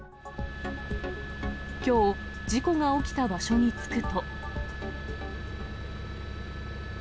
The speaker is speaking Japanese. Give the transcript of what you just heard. きょう、事故が起きた場所に着くと。